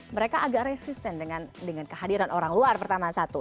mereka agak resisten dengan kehadiran orang luar pertama satu